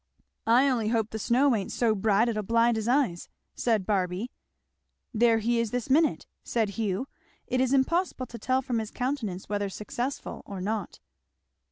"I only hope the snow ain't so bright it'll blind his eyes," said Barby. "There he is this minute," said Hugh. "It is impossible to tell from his countenance whether successful or not."